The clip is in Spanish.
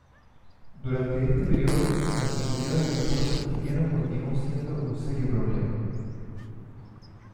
Durante este periodo, la seguridad del aeropuerto nigeriano continuó siendo un serio problema.